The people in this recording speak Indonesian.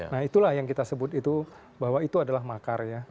nah itulah yang kita sebut itu bahwa itu adalah makar ya